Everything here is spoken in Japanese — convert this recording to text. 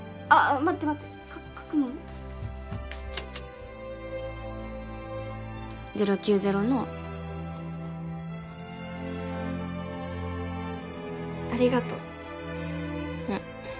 待って待って書くもの０９０のありがとううん